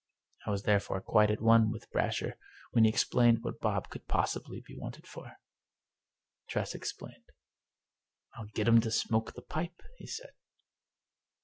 I was therefore quite at one with Brasher when he asked what Bob could possibly be wanted for. Tress explained. " I'll get him to smoke the pipe," he said.